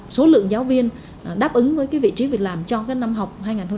số lượng giáo viên đáp ứng với vị trí việc làm cho năm học hai nghìn hai mươi hai nghìn hai mươi